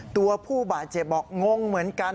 ตัวผู้บาดเจ็บบอกงงเหมือนกัน